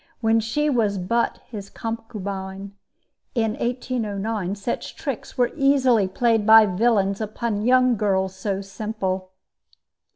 when she was but his concubine. In 1809 such tricks were easily played by villains upon young girls so simple.